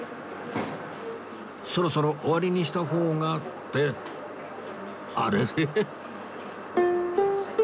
そろそろ終わりにした方がってあれれ？